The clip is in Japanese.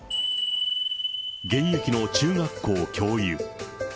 現役の中学校教諭。